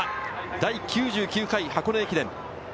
第９９回箱根駅伝。